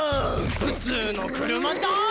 普通の車じゃん！